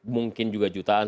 mungkin juga jutaan